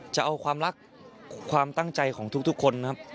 จะเอาความรักความตั้งใจของทุกคนนะครับ